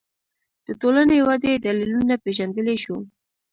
د ټولنې ودې دلیلونه پېژندلی شو